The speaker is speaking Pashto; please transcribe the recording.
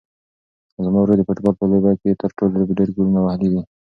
زما ورور د فوټبال په لوبه کې تر ټولو ډېر ګولونه وهلي دي.